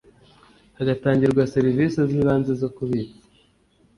Hagatangirwa serivisi z’ ibanze zo kubitsa